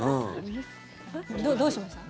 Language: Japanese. どうしました？